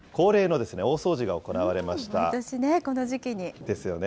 毎年この時期に。ですよね。